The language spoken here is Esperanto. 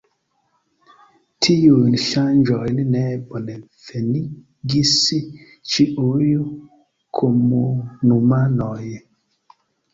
Tiujn ŝanĝojn ne bonvenigis ĉiuj komunumanoj.